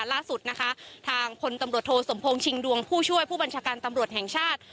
ล่าสุดนะคะทางพลตำรวจโทสมพงษ์ชิงดวงผู้ช่วยผู้บัญชาการตำรวจแห่งชาติ